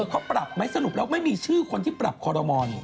เขาปรับไหมสรุปแล้วไม่มีชื่อคนที่ปรับคอรมอล